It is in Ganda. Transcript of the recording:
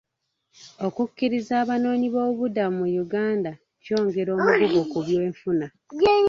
Okukkiriza abanoonyiboobubudamu mu Uganda kyongera omugugu ku byenfuna.